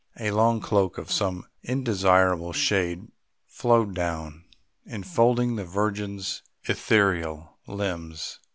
A long cloak of some indescribable shade flowed down, enfolding the Virgin's ethereal limbs.